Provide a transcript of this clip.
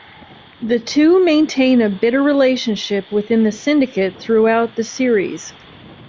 The two maintain a bitter relationship within the Syndicate throughout the series.